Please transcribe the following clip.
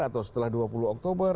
atau setelah dua puluh oktober